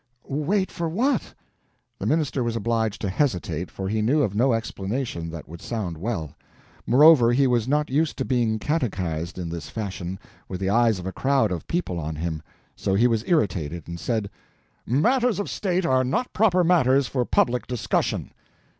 "Wait for what?" The minister was obliged to hesitate, for he knew of no explanation that would sound well. Moreover, he was not used to being catechized in this fashion, with the eyes of a crowd of people on him, so he was irritated, and said: "Matters of state are not proper matters for public discussion."